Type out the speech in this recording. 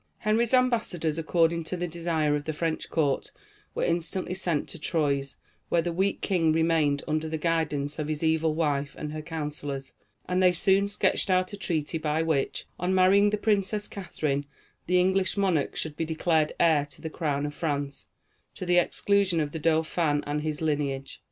Henry's ambassadors, according to the desire of the French court, were instantly sent to Troyes where the weak king remained under the guidance of his evil wife and her counsellors and they soon sketched out a treaty by which, on marrying the Princess Catharine, the English monarch should be declared heir to the crown of France, to the exclusion of the Dauphin and his lineage.